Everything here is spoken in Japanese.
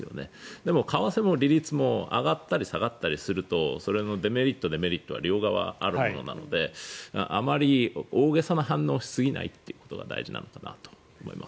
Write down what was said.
でも、為替も利率も上がったり下がったりするとメリット、デメリットは両側あるものなのであまり大げさな反応をし過ぎないことが大事なのかなと思います。